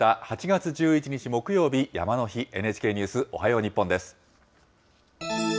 ８月１１日木曜日、山の日、ＮＨＫニュースおはよう日本です。